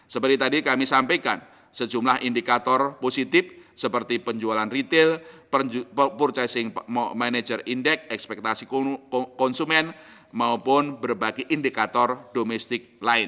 seperti tadi kami sampaikan sejumlah indikator positif seperti penjualan retail purchasing manager index ekspektasi konsumen maupun berbagai indikator domestik lain